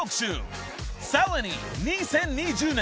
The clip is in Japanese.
［さらに２０２０年